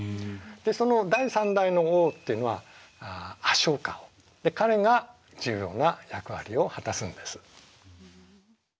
その第３代の王っていうのは彼が重要な役割を果たすんです。